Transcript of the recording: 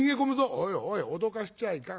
「おいおい脅かしちゃいかん。